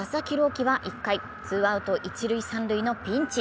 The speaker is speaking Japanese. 希は１回、ツーアウト一塁・三塁のピンチ。